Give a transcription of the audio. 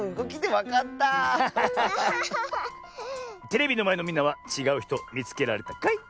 テレビのまえのみんなはちがうひとみつけられたかい？